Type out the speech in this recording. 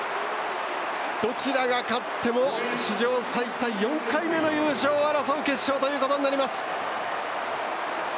どちらが勝っても史上最多４回目の優勝を争う決勝となります。